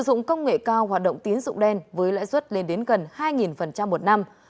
bao hoạt động tiến dụng đen với lãi suất lên đến gần hai một năm